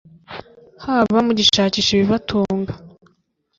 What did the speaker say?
haba mu gushakisha ibibatunga,